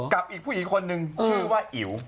กับอีกผู้หญิงคนนึงชื่อว่าอิ๋ว